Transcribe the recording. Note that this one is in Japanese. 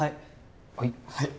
はい。